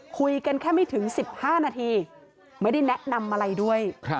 คุยกันแค่ไม่ถึง๑๕นาทีไม่ได้แนะนำอะไรด้วย